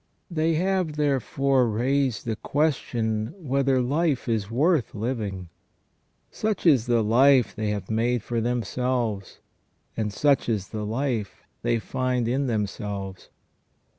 They have, therefore, raised the question whether life is worth living ? Such is the life they have made for them selves, and such is the life they find in themselves.